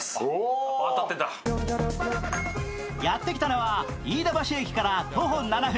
やってきたのは飯田橋駅から徒歩７分。